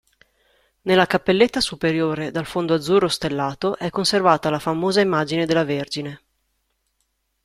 Nella cappelletta superiore dal fondo azzurro stellato è conservata la famosa immagine della Vergine.